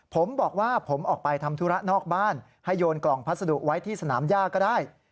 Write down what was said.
ผมบอกว่าผมออกไปทำธุระนอกบ้านให้โยนกล่องพัสดุไว้ที่สนามย่าก็ได้